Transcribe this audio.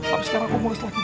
abis itu aku mulus lagi bara